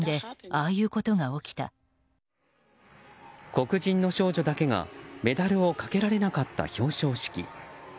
黒人の少女だけがメダルをかけられなかった表彰式。